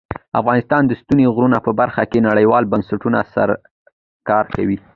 افغانستان د ستوني غرونه په برخه کې نړیوالو بنسټونو سره کار کوي.